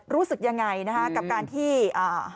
รู้สึกยังไงนะฮะกับการที่อ่า